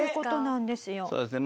そうですね。